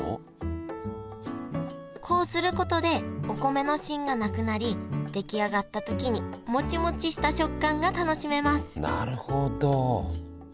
こうすることでお米の芯がなくなり出来上がった時にモチモチした食感が楽しめますなるほど！